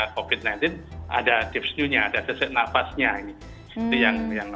covid sembilan belas ada deep snewnya ada sesek nafasnya